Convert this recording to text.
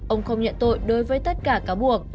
ông không nhận tội đối với tất cả cáo buộc